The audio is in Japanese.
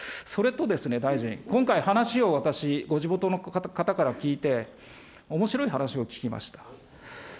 それとですね、大臣、今回、話を私、ご地元の方から聞いて、おもしろい話を聞きました。